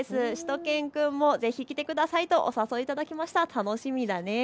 しゅと犬くんもぜひ来てくださいとお誘いいただきました。